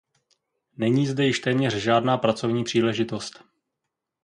Není zde již téměř žádná pracovní příležitost.